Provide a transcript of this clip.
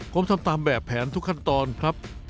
ผมทำตามแบบแผนทุกขั้นตอนครับ